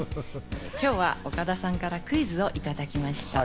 今日は岡田さんからクイズをいただきました。